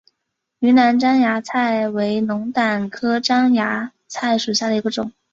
云南獐牙菜为龙胆科獐牙菜属下的一个种。